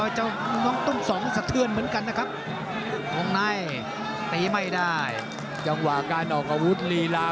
จังหวะการออกอาวุธรีลา